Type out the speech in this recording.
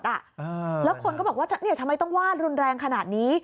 แล้วคนก็บอกว่าเนี่ยทำไมต้องวาดรุนแรงขนาดนี้